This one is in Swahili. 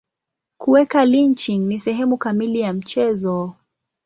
Kuweka lynching ni sehemu kamili ya mchezo.